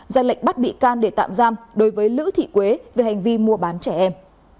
ra lệnh bắt bị can để tạm giam đối với lữ thị quế về hành vi mua bán trẻ em